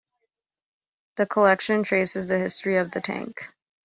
The collection traces the history of the tank.